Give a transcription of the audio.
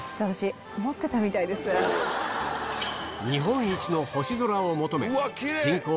日本一の星空を求め人口